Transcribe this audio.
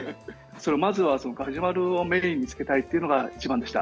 まずはガジュマルをメインにつけたいっていうのが一番でした。